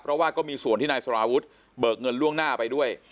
เพราะว่าก็มีส่วนที่นายสารวุฒิเบิกเงินล่วงหน้าไปด้วย